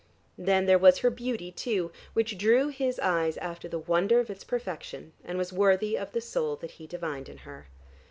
Then there was her beauty too, which drew his eyes after the wonder of its perfection, and was worthy of the soul that he divined in her.